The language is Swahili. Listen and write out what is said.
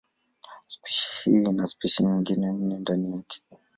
Spishi hii ina spishi nyingine nne ndani yake.